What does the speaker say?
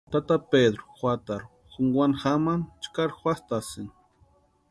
Tata Pedru juatarhu junkwani jamani chkari juatʼasïni.